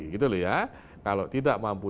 gitu loh ya kalau tidak mampu